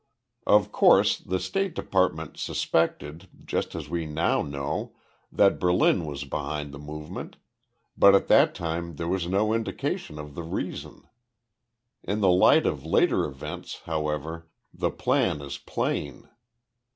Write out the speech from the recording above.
Of course, the State Department suspected just as we now know that Berlin was behind the movement, but at that time there was no indication of the reason. In the light of later events, however, the plan is plain.